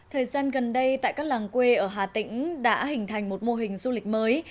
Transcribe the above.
thời gian gần đây tại các làng quê ở hà tĩnh đã hình thành một mô hình du lịch mới